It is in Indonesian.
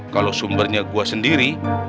kalau sumbernya gue sendiri